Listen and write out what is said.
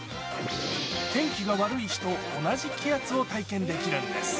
天気が悪い日と同じ気圧を体験できるんです。